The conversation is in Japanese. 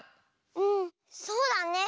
うんそうだね。